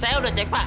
saya udah cek pak